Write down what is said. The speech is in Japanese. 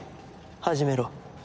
始めろ。